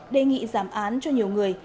đề nghị giảm án cho nhiều người